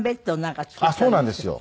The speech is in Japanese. そうなんですよ。